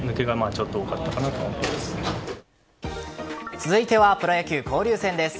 続いてはプロ野球交流戦です。